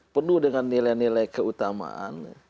penuh dengan nilai nilai keutamaan